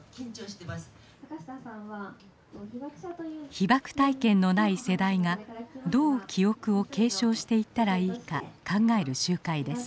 被爆体験のない世代がどう記憶を継承していったらいいか考える集会です。